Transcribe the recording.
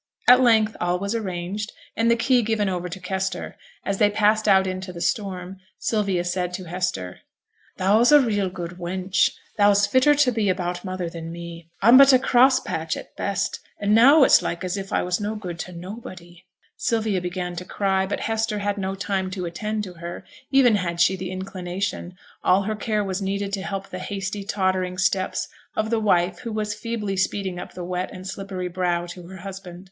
At length, all was arranged, and the key given over to Kester. As they passed out into the storm, Sylvia said to Hester, 'Thou's a real good wench. Thou's fitter to be about mother than me. I'm but a cross patch at best, an' now it's like as if I was no good to nobody.' Sylvia began to cry, but Hester had no time to attend to her, even had she the inclination: all her care was needed to help the hasty, tottering steps of the wife who was feebly speeding up the wet and slippery brow to her husband.